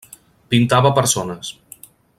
Pintava persones.